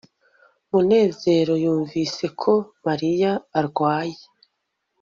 munezero yumvise ko mariya arwaye